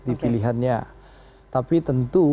di pilihannya tapi tentu